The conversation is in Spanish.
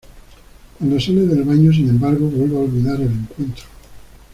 Cuando sale del baño, sin embargo, vuelve a olvidar el encuentro.